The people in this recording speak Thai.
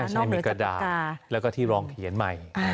ใช่มีกระดาษแล้วก็ที่รองเขียนใหม่